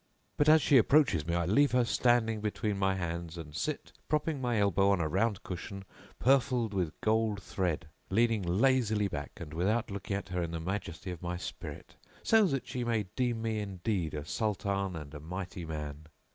But as she approaches me I leave her standing between my hands and sit, propping my elbow on a round cushion purfled with gold thread, leaning lazily back, and without looking at her in the majesty of my spirit, so that she may deem me indeed a Sultan and a mighty man.